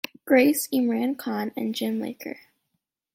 Grace, Imran Khan and Jim Laker.